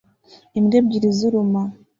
Imbwa ebyiri ziruma